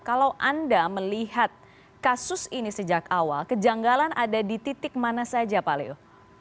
kalau anda melihat kasus ini sejak awal kejanggalan ada di titik mana saja pak leo